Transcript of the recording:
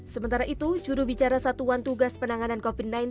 sementara itu jurubicara satuan tugas penanganan covid sembilan belas